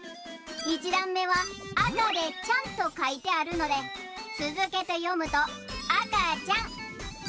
１だんめはあかで「ちゃん」とかいてあるのでつづけてよむと「あかちゃん」。